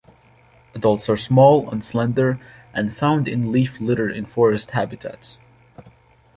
Adults are small and slender and found in leaf litter in forest habitats.